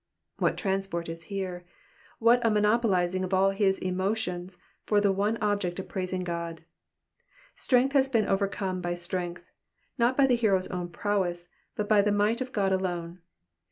'''' What transport is here ! What a monopolising of all his emotions for the one object of praising God ! Strength has been overcome by strength ; not by the hero's own prowess, but by the might of God alone.